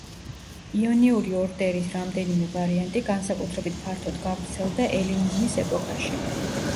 იონიური ორდერის რამდენიმე ვარიანტი განსაკუთრებით ფართოდ გავრცელდა ელინიზმის ეპოქაში.